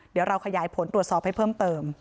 เดี๋ยวเราขยายผลตรวจสอบให้เพิ่มเติม